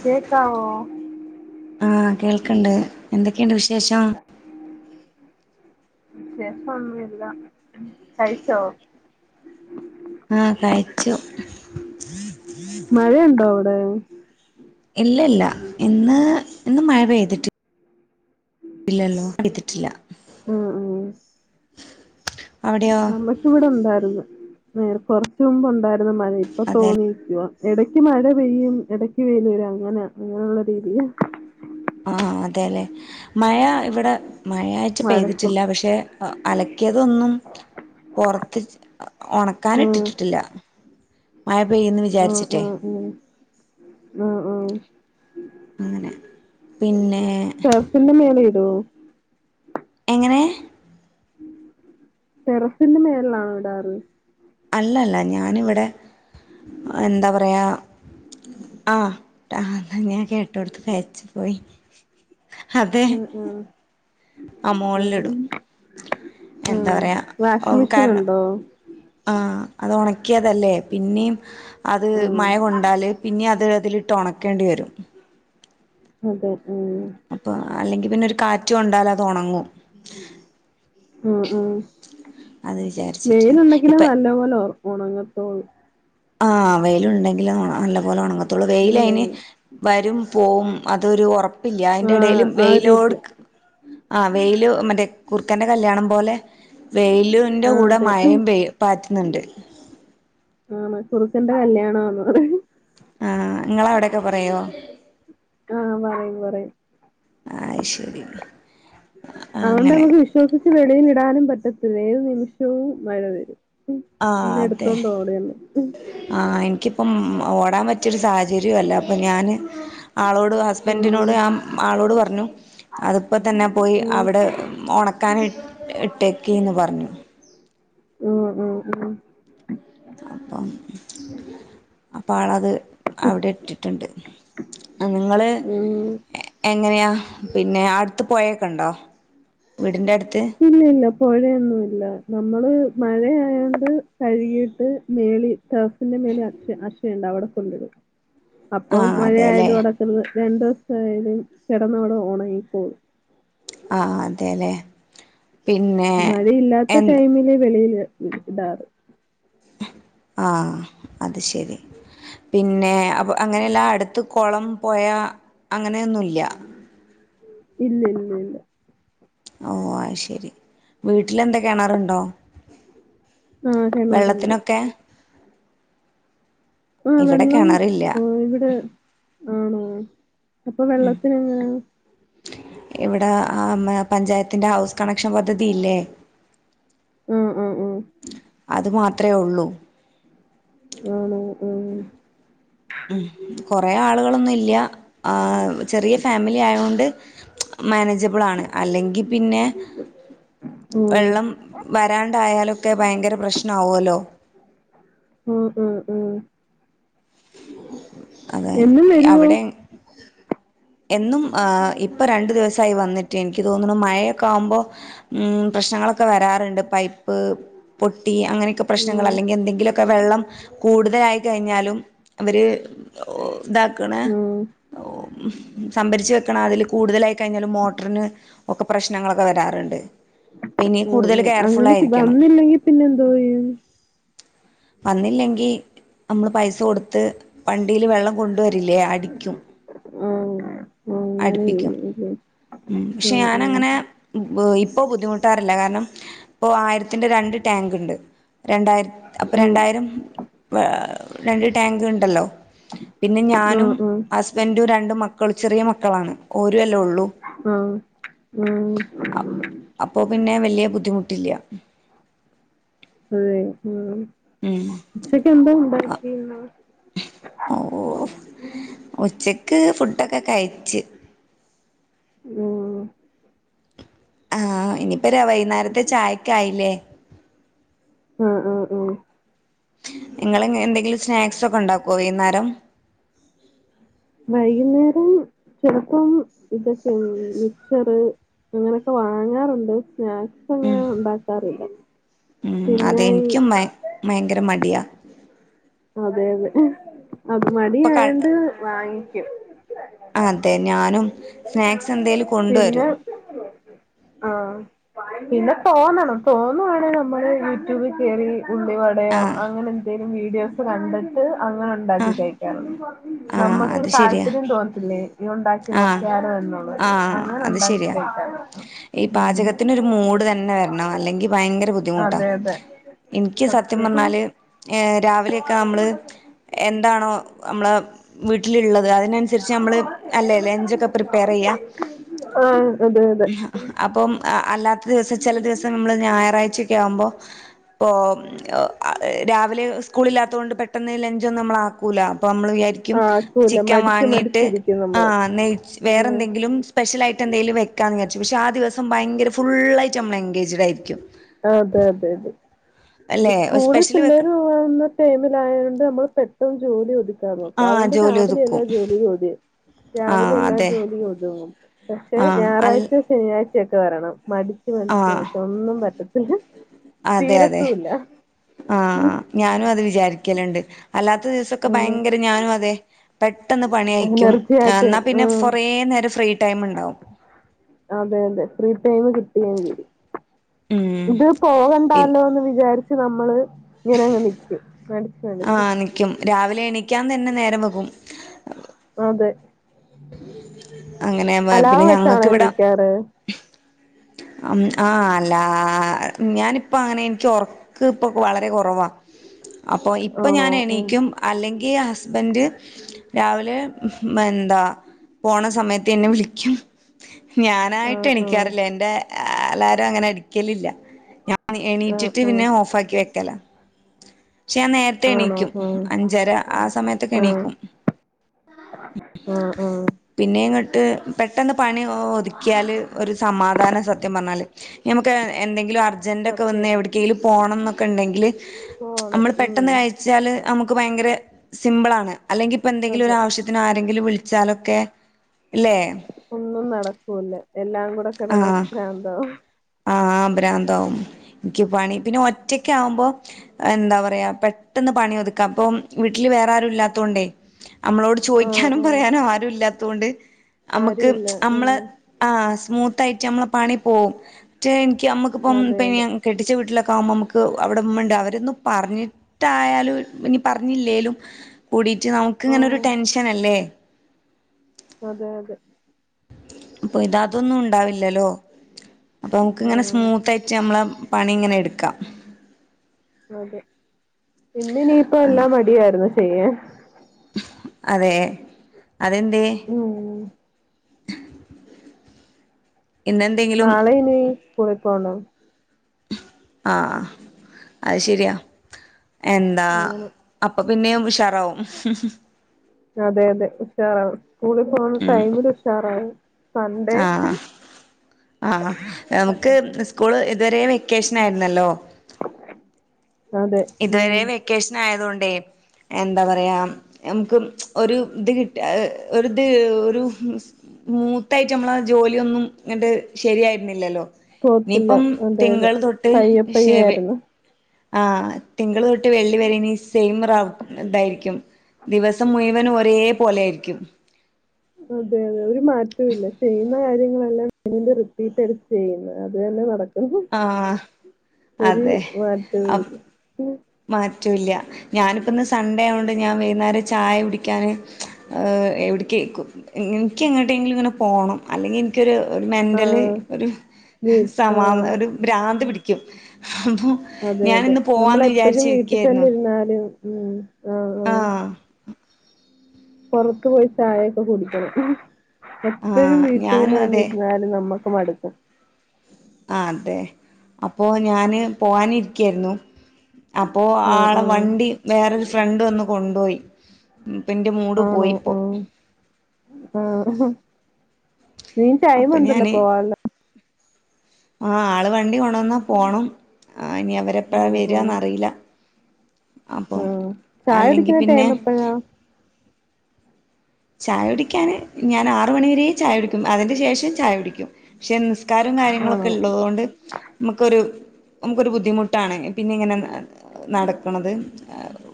കേക്കാവോ? ആഹ് കേൾക്കണ്ട് എന്തൊക്കെയുണ്ട് വിശേഷം. വിശേഷം ഒന്നുല്ല കഴിച്ചോ. ആ കഴിച്ചു. മഴയുണ്ടോ അവിടെ? ഇല്ല ഇല്ല ഇന്ന് ഇന്ന് മഴ പെയ്തിട്ട് ഇല്ലല്ലോ അടുത്തിട്ടില്ല. ആഹ ആ അവിടെയോ നമ്മക്കിവിടെ ഉണ്ടായിരുന്നു. നേര കൊറച്ച് മുമ്പ് ഉണ്ടായിരുന്നു. മഴ ഇപ്പ അതെ തോർന്നിയിരിക്കുവാ. ഇടയ്ക്ക് മഴ പെയ്യും. ഇടക്ക് വെയിലും വരും അങ്ങനെ അങ്ങനെയുള്ള രീതിയാ. ആഹ അതെല്ലെ. മഴ ഇവിടെ മഴയായിട്ട് മഴക്കും പെയ്തിട്ടില്ല. പക്ഷെ അലക്കിയതൊന്നും പുറത്ത് ഉണക്കൻ ഉം ഇട്ടിട്ടില്ല. മായ പൈയും എന്ന് വിചാരിച്ചിട്ടേ. ആ ആ അങ്ങനെ പിന്നെ ടെറസിന്റെ മേലെ ഇടോ? എങ്ങനെ? ടെറസിന്റെ മേളിലാണോ ഇടാറ്. അല്ലല്ല. ഞാനിവിടെ എന്താ പറയാ ആ ടാ എന്ന ഞാൻ കേട്ടോടുത്ത് പെയച്ചു പോയി. അതെ ഉ ഉ ആ മോളിലിടും. എന്താ ഉം പറയാ? വാഷിംഗ് മെഷീൻ കാരണം. ഉണ്ടോ ആ അത് ഉണക്കി നികതല്ലേ പിന്നെയു അത് ഉം മഴ കൊണ്ടാല് പിന്ന അത് എടു അതിലിട്ട് ഉണക്കേണ്ടി വരും. അതെ ഉം. അപ്പൊ അല്ലെങ്കി പിന്നെ ഒരു കാറ്റ് കൊണ്ടാൽ അത് ഉണങ്ങും. ഉം ഉം അത് വിചാരിച്ചിട്ട് വെയില് ഇപ്പ ഉണ്ടെങ്കിലും നല്ല പോലെ ഓർ ഉണങ്ങത്തോള്ളൂ. ആഹ വെയില് ഉണ്ടെങ്കിലും നല്ല പോലെ ഉണങ്ങത്തുള്ളൂ. എന്തോ വെയില് വരും പോവും അതൊരു ഒറപ്പില്ല അയിന്റെടേല് ആഹ് ആ ഒരു രീതില് വെയിലോട്ക്ക് ആ വെയില് മറ്റേ കുർക്കന്റെ കല്ല്യാണം പോലെ വെയിലുന്റെ ആഹ് കൂടെ അതെ മയയും പെയ്യും ന്ന്ണ്ട് ആണോ കുറുക്കന്റെ കല്യണാണോ ആ ങ്ങളെ അവിടേക്കെ പറയോ ആ പറയും പറയും ആയിശ് അവോണ്ട് നമുക്ക് വിശ്വസിച്ച് വെളിയിൽ ടാനും പറ്റത്തില്ല ഏത് നിമിഷവും മഴ വരും ഉം ആ പിന്നെ അതെ എടുത്തോണ്ട് ഓടന്നെ. ആ എനിക്കിപ്പം ഓടാൻ പറ്റിയൊരു സാഹ തരു അല്ല അപ്പം ഞാന് ആളോട് ഹസ്ബന്റിനോട് ആഹ് ആ ആളോട് പറഞ്ഞു അതിപ്പോ തന്നെ പോയി ആഹ് അവിടെ ഉണക്കാന് ഇ ഇട്ടേക്ക് ന്ന് പറഞ്ഞു മം മം മം അപ്പം ആളത് അവിടെ ഇട്ടിട്ടുണ്ട് ങ്ങള് ആഹ് എങ്ങനെയാ പിന്നെ അടുത്ത് പൊയെക്കെണ്ടോ വീടിന്റെ അടു ഇല്ലല്ലോ പുഴയൊന്നുല്ല നമ്മള് മഴയായണ്ട് കഴുകിയിട്ട് മേളി ടർസി മേലെ അ ക്ഷ അക്ഷയ്ണ്ട് അവിടെ കൊണ്ടടുക്കും അപ്പം ആഹ് അതെല്ലേ മഴയാലും അടക്കുന്നത് രണ്ട ദിവസായാലും കിടന്നോണ്ട് ഓണങ്ങിക്കോളും ആ ആ അതെല്ലേ പിന്നെ എ മഴയില്ലാത്ത ടൈമില് വെളയിൽ ഇടാറ് ആ അത് ശരി പിന്നെ അപ്പൊ അങ്ങനെയല്ല അടുത്ത് കൊളം പൊയാ അങ്ങനെയൊന്നുല്ല ഇല്ല ഇല്ല ല്ലാ ഓ അയി ശെരി വീട്ടിലെന്താ കെണറുണ്ടോ ആ കിണറുണ്ട് വെള്ളത്തിനൊക്കെ ആ ഇവിടെ വെള്ളം കിണറില്ല ഇവിടെ ആണോ അപ്പൊ വെള്ളത്തിന് ങ്ങനെ ആ മെ പഞ്ചായത്തിന്റെ ഹൗസ് കണക്ഷൻ പദ്ധതിയില്ലേ ആ ആ ആ അതു മാത്രമേ ഉള്ളൂ ആണോ ആ ഉം കൊറെ ആളുകളൊന്നും ഇല്ല ആ ചെറിയ ഫാമിലി ആയൊണ്ട് മാനേജ്‍ ജിബിളാണ് അല്ലെങ്കി പിന്നെ വെള്ളം വരാണ്ടായാലും ഒക്കെ ഭയങ്കര പ്രശ്നാവോലൊ ആ ആ ആ ആ. അതെ എന്നും വരുവോ അവിടെ എന്നും ആ ഇപ്പാ രണ്ടു ദിവസായി വന്നിട്ട് എനിക്ക് തോന്നുണു മഴയൊക്കെ ആവുമ്പോ മം പ്രശ്നങ്ങളൊക്കെ വരാറുണ്ട് പൈപ്പ് പൊ ട്ടി അങ്ങനെയൊക്കെ ആ, പ്രശ്നങ്ങൾ അല്ലെങ്കിൽ എന്തെങ്കിലൊക്കെ വെള്ളം കൂട്തലായി കഴിഞ്ഞാലും അവർ ഇതാക്കണ ആ, ആ, സംഭരിച്ച് വെക്കണാ അതില് കൂടുതലായി കയിഞ്ഞാലും മോട്ടറിന് ഒക്കെ പ്രശ്നങ്ങളൊക്കെ വരാറുണ്ട് അപ്പം ഇനി ഉം കൂടുതൽ ഉം അങ്ങനെ കെയർഫുള്ളായിരിക്കണം വന്നില്ലെങ്കിൽ പിന്നെ എന്തോ യ്യും വന്നില്ലെങ്കി നമ്മള് പൈസ കൊടുത്ത് വണ്ടിയില് വെള്ളം കൊണ്ട് ണ്ടുവരില്ലേ അടിക്കും മം അടുപ്പിക്കും ഉം പക്ഷെ ആ ഞാനങ്ങനെ ഇപ്പൊ ബുദ്ധിമു മുട്ടാറില്ല കാരണം ഇപ്പൊ ആയിരത്തിന്റെ രണ്ട് ടാങ്ണ്ട് രണ്ടായിര അപ്പൊ ആ ആ രണ്ടായിരം രണ്ട് ടാങ്ക് ണ്ടല്ലോ പിന്നെ ഞാനും ആഹ് ആഹ് ഹസ്ബൻഡും രണ്ടും മക്കൾ ചെറിയ മക്കളാണ്. ഒ ആഹ ഉ അപ്പോ പിന്നെ വലിയ ബുദ്ധിമുട്ടില്ല. അതെ ഉം ഉച്ചക്കെക് എന്താ ഉണ്ടാക്കി ഓ ഉച്ചക്ക് ഫുഡൊക്കെ കഴിച്ച്. ഓ ആഹ ഇനിയിപ്പോ വൈകുന്നേരത്തെ ചായക്കയില്ലേ? ആഹ ഉ ഉ നിങ്ങൾ എന്തെങ്കിലും സ്നാക്സ് ഒക്കെ ഉണ്ടാക്കുവോ വൈകുന്നേരം വൈകുന്നേരം ചിലപ്പം ഇതൊക്കെ മിച്ചറ് അങ്ങനൊക്കെ വാങ്ങാറുണ്ട്. സ്നാക്സ് ഉം അങ്ങനെ ഉണ്ടാക്കാറില്ല. ഉം പിന്നെ ഈ അതെനിക്കും ഭയങ്കര മടിയാ അതെ അതെ അത് മടി ഇപ്പൊ ക ആയണ്ട് വാങ്ങിക്കും. അതെ ഞാനും സ്നാക്സ് എന്തേലും കൊണ്ടുവരും. ആഹ പിന്നെ തോന്നണം തോന്നുവാണ് നമ്മള് യൂടൂബ് കയറി. ഉള്ളി വടയോ ആഹ് അങ്ങനെ എന്തെങ്കിലും വീഡിയോസ് കണ്ടിട്ട്. അങ്ങനെ ഉണ്ടാക്കി ആഹ് കഴിക്കാറ് ആഹ് നമുക്ക് അത് ശരിയാ താല്പര്യം തോന്നത്തില്ലേ ഇ ഉണ്ടാക്കി ആഹ് നോക്കാറ് എന്നുള്ളത് ആഹ് അത് അങ്ങനെണ്ടാക്കി ശരിയാ കഴിക്കാറുണ്ട്. ഈ പാചകത്തിന് ഒരു മൂഡ് തന്നെ വരണം അല്ലെങ്കി ഭയങ്കര ബുദ്ധിമുട്ടാ അതെ അതെ എനിക്ക് സത്യം പറഞ്ഞാല് ഏഹ് രാവിലെയൊക്കെ നമ്മള് എന്താണോ നമ്മളെ വീട്ടിലുള്ളത്. അത് അതിനനുസരിച്ച് നമ്മൾ ല ലോ ലഞ്ച് ഒക്കെ റിപ്പയർ ചെയ്യാം. ആഹ് അതെ അതെ അപം അല്ലാത്ത ദിവസം ചില ദിവസം നമ്മള് ഞായറാഴ്ചൊക്കെ ആവുമ്പോ ഇപ്പ രാവിലെ സ്കൂളില്ലാത്തൊണ്ട് പെട്ടെന്ന് ലഞ്ച്ഒന്നും നമ്മള് ആാക്കൂല അപ്പോ നമ്മൾ വിചാരിക്കും ആക്കൂല ചിക്കൻ മടിച്ച് വാങ്ങിയിട്ട് മടിച്ചിരിക്കും ആ നമ്മള് ഉം വേറെന്തെങ്കിലും സ്പെഷ്യൽയിട്ട് മ എന്തങ്കിലും വെക്കാന്ന് വിചാച്ചു പക്ഷെ ആ ദിവസം ഭയങ്കര ഫുള്ളൾായിട്ട് നമ്മൾ എൻഗേജ്ഡ് ആയിരിക്കും അതെ അതെ അതെ അല്ലെ സ്കൂളിൽ സ്പെഷ്യല് വെക്ക പിള്ളേര് പോകുന്ന ടൈമില ആയത കൊണ്ട് നമ്മള് പെട്ടെന്ന് ജോലി ാൻ നോ ആ അതൊണ്ട് ജോലി രാവിലെ എല്ലാ ഒതുക്കും ജോലി മതിയ ആ രാവിലെ എല്ലാ അതെ ജോലിയ ഒതുങ്ങും പക്ഷെ ആ അൽ ഞായറാഴ്ച ശനിയാഴ്ച ചൊക്കെ വരണം മടിച്ച്ു ആ മടിച്ച് മടച്ച് ഒന്നും പറ്റത്തില തീരത്തൂല്ല ആ ഞാനും അത് വിചാരിക്കലുണ്ട് അല്ലാത്ത ദിവസൊക്കെ അതെ ഭയങ്കര ഞാനും അതെ പെട്ടെന്ന് പണി അയക്കും എനർജി ആയിട്ട് എന്നാ പിന്നെ ഉം കുറേ നേരം ഫ്രീ ടൈം ഉണ്ടാവും അതെ അതെ പ്രീതയമ് കിട്ട ഉം ഇത് പിൻ പോകണ്ടല്ലോ എന്ന് വിചാരിച്ച് നമ്മള് അങ്ങനെ ആണ്ട് നിൽക്കുന്നു ആ നിക്കും രാവിലെ എണീക്കാൻ തന്നെ നേരം വൊകും അതെ അങ്ങനെ അലാ പിന്നെ വെച്ചാണോ എണീക്കാറ്? ആഹ അല്ല ഞാനിപ്പ അങ്ങനെ എനിക്ക് ഉറക്ക ഇപ്പൊ വളരെ കുറവാ അപ്പൊ ഇപ്പൊ ആണോ ഞാൻ ഉം എണീക്കും അല്ലെങ്കിൽ ഈ ഹസ്ബൻഡ് രാവിലെ മെന്താ പോണ സമയത്ത് എന്നെ വിളിക്കും ഞാനായിട്ട് ആഹ് ആഹ് എണിക്കാറില്ല എറെ ആലാരും അങ്ങനെ അടിക്കലില്ല ആഹ് എണീറ്റിട്ട് ആഹ് പിന്നെ ഓഫ്ാക്കി വയ്ക്കല പക്ഷെ ഞാൻ നേരത്തെ ആണോ എണീക്കും ആഹ് അഞ്ചര ആ സമയത്തൊക്കെ ആഹ് എണീക്കും ആഹ് ആഹ് പിന്നെങ്ങ ് പെട്ടെന്ന് പണി ഒതുക്കിയാൽ ഒരു സമാധാന സത്യം പറഞ്ഞാൽ നമുക്ക് എന്തെങ്കിലും അജന്്റൊക്കെ വന്ന് സത്യം എവിടക്കെങ്കിലും പോണം എന്നൊക്കെ ഉണ്ടെങ്കിൽ പോണം നമ്മൾ ഉം പെട്ടെന്ന് കഴിച്ചാല് നമുക്ക് ഭയങ്കര സിമ്പിൾ ആണ് അല്ലെങ്കിൽ ഇപ്പ എന്തെങ്കിലും ഒരു അതെ ആവശ്യത്തിന് ആരെങ്കിലും. വിളിച്ചാലൊക്കെ ല്ലേ ഒന്നും നടക്കൂല്ലേ എല്ലാം കൂടെ കിടന്ന ഭ്രാ ന്തവും ആഹ്ഭ്രാന്താവും. എനിക്ക് പണി പിന്നെ ഒറ്റക്ക ആകുമ്പോ എന്താ പറയാ പെട്ടെന്ന് പണി ഒതുക്കാം അപ്പൊ വീട്ടില് വേറെ ആരുും ഇല്ലാത്ത കൊണ്ടേ നമ്മളോട് ആഹ് ചോദിക്കാനും ആഹ് പറയാനോ ആരും ഇല്ലാത്തൊണ്ട് നമുക്ക് ആരുല്ല ഉം നമ്മള്ആ [unintelligible] സ്മൂത്ത് ആയിട്ട് നമ്മളെ പണി പോവും മറ്റേ എനിക്ക് നമ്മക്കിപ്പം അതെ അതെ കെട്ടിച്ച വീട്ടില ആവുമ്പോ നമുക്ക് അവിടെഉമ്മണ്ട് അവരൊന്നും പറഞ്ഞിട്ടായാലും ഇനി പറഞ്ഞില്ലേലും കൂടി ച നമുക്കിങ്ങനൊ ഒരു ആഹ് ടെൻഷൻ അല്ലേ. അതെ അതെ. അപ്പൊ ഇത അതൊന്നും ഉണ്ടാവില്ലല്ലോ, അപ്പൊ നംക്ക് ഇങ്ങനെ ആഹ് സ്മൂത്ത് ആയിട്ട് നമ്മള പണി ഇങ്ങനെ എടുക്കാം. അതെ ഇന്നിനീയിപ്പ എല്ലാം മടിയായിരുന്നു ചെയ്യാൻ. അതെ അതെന്തേ? ഉം ഇന്നെന്തെങ്കിലും നാളെ നീ സ്കൂളി പോണോ? ആഹ അത് ശരിയാ എന്താ അങ്ങനെ അപ്പൊ പിന്നെയും ഉഷാറാവും അതെ അതെ ഉഷാറാവും സ്കൂളിൽ പോകണ ടൈമിൽ ഉഷാറാവും. നന്തേ ആ [unintelligible] ആ നമുക്ക് സ്കൂള് ഇതുവരേ വെക്കേഷൻ ആയിരുന്നല്ലോ അതെ ഉം ഇതുവരെ വെക്കേഷൻ ആയത കൊണ്ടേ എന്താ പറയാ മ്ക്ക് ഒരു ഇത് കിട്ട ഒരുത് ഒരു മൂത്തായിട്ട് നമ്മള ജോലിയൊന്നും ഇങ്ങട്ട് ശരിയായിരുന്നില്ലല്ലോ. പോകത്തില്ല ഇനിയിപ്പം അതെ അതെ തിങ്കൾ തൊട്ട് പയ്യെ പയ്യെ ശേവ ആയിരുന്നു ആ തിങ്കൾ തൊട്ട് വെള്ളി വരെ സെയിം റ ഇതായിരിക്കും ദിവസം മുയ്വൻ ഒരേ പോലെ ആായിരിക്കും. അതെ അതെ ഒരു മാറ്റൊ ഇല്ല ചെയ്യുന്ന കാര്യങ്ങളെല്ലാം ണ്ടും റിപ്പീറ്റ് അടച്ച് ചെയ്യുന്നത് അത് തന്നെ നടക്ക. ആഹ അതെ അ് [unintelligible] മാറ്റവുമില്ല മാറ്റൂല്ല ഞാനിപ്പ ഇന്ന് സൺഡേ ആണ്ട് ഞാൻ വൈകുന്നേരം ചായ കുടിക്കാൻ എവിടെകേക്കും എനിക്ക എങ്ങനട്ടെങ്കിലും ഇങ്ങനെ പോണം അല്ലെങ്കി എനിക്കൊരു ഒരു ആ മെൻറല് ഒരു വീ- ആ സമാ ഒരു ഭ്രാന്ത് പിടിക്കും അപ്പോ ഞാാനിന്ന് പോവാന്ന് എ വിചാരിച്ച വീട്ടിൽ തന്നെ ഇരുന്നാലും ഉം ആ ആ ആഹ് പൊറത്ത് പോയി ചായയൊക്കെ കുടിക്കണം എപ്പോഴും ആഹ് വീട്ടിൽന്ന് ഞാനും തന്നെ അതെ ഇരുന്നാലും നമ്മക്ക് മടുക്കും ആ അതെ അപ്പോ ഞാന് പോവാനി ഇരിക്കായിരുന്നു അപ്പോ ആ ആ ആളെ വണ്ടി വേറൊരു ഫ്രണ്ട്വന്ന് കൊണ്ടോയി പിന്റെ മൂട് ആണോ പോയിപ്പോ ആ ആ ഇനിയും ടൈം അപ്പൊ ഉണ്ടല്ലോ ഞാന്, പോവാനുള്ള ആ ആള് വണ്ടി കൊണ്ടുവന്നാ പോണം. ഇനി അവരെപ്പഴാ ആ വരുവാന്ന്റിയില്ല ആ ചായ കുടിക്കുന്ന പിന്നെ ടൈം എപ്പഴാ? ചായ കുടിക്കാന് ഞാൻ ആറ് മണിവ വര ചായ കുടിക്കും അതിന്റെ ശേഷം ചായ കുടിക്കും പക്ഷെ, സക്കാരും കാര്യങ്ങളുംക്കെ ആണോ ഉള്ളതുകൊണ്ട് നമുക്കൊരു നമുക്കൊരു ബുദ്ധിമുട്ടാണ് പിന്നെ ഇങ്ങനെ നടക്കുന്നത്.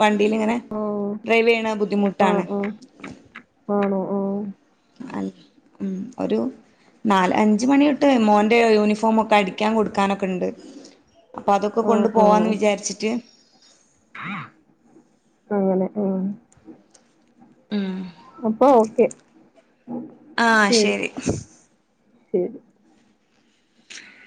വണ്ടില്ങ്ങനെ ആ ഡ്രൈവ് ചെയ്യണ ആ ബുദ്ധിമുട്ടാണ്ഞ ആ ആണോ ആഹ, അ ഒരു നാല് അഞ്ച് മണിട്ട് മോന്റെ യൂണിഫോമ ഒക്കെ അടിക്കാൻ കൊടുക്കാനൊക്കെ ഉണ്ട്. അപ്പൊ അതൊക്കെ കൊണ്ട് ആ ആ പോവാന്ന് വിചാരിച്ചിട്ട് അങ്ങനെ ആ. അപ്പൊ ഓക്കെ ശരി ശരി